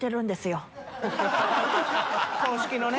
公式のね。